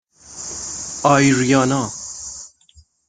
آیریانا